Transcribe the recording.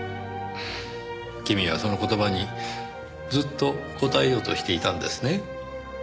君はその言葉にずっと応えようとしていたんですね。